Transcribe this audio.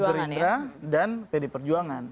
berarti ada gerindra dan pdi perjuangan